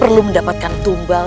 untuk budaya perintahmu